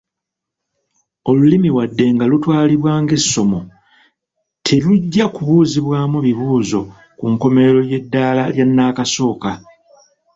Olulimi wadde nga lutwalibwa ng’essomo, terujja kubuuzibwamu bibuuzo ku nkomerero y’eddaala lya nnakasooka.